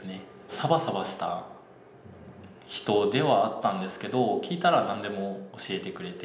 さばさばした人ではあったんですけど、聞いたら、なんでも教えてくれて。